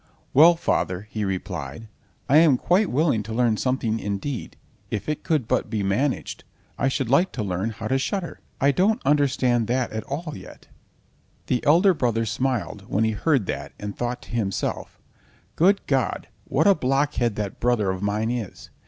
"Well, father," he replied, "I am quite willing to learn something—indeed, if it could but be managed, I should like to learn how to shudder. I don't understand that at all yet." The elder brother smiled when he heard that, and thought to himself: "Good God, what a blockhead that brother of mine is!